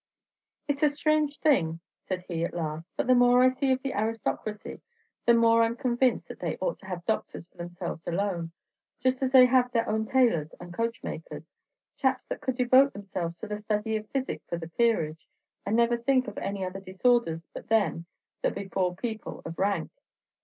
"It's a strange thing," said he, at last; "but the more I see of the aristocracy, the more I 'm convinced that they ought to have doctors for themselves alone, just as they have their own tailors and coachmakers, chaps that could devote themselves to the study of physic for the peerage, and never think of any other disorders but them that befall people of rank.